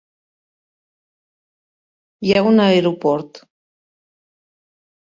Hi ha un aeroport.